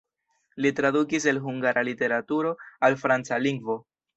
Li tradukis el hungara literaturo al franca lingvo.